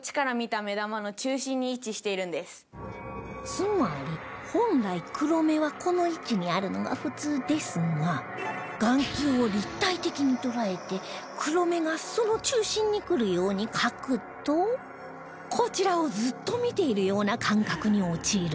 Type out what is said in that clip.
つまり本来黒目はこの位置にあるのが普通ですが眼球を立体的に捉えて黒目がその中心にくるように描くとこちらをずっと見ているような感覚に陥るといいます